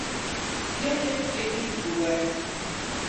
Ielieku Ķirbīti gulēt.